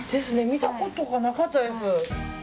見たことがなかったです。